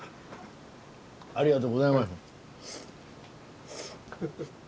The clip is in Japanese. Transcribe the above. ありがとうございます。